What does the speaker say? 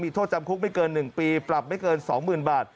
โทษจำคุกไม่เกิน๑ปีปรับไม่เกิน๒๐๐๐บาท